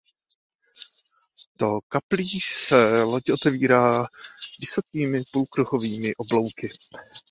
Do kaplí se loď otevírá vysokými půlkruhovými oblouky.